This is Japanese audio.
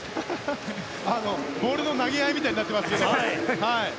ボールの投げ合いみたいになっていますけど。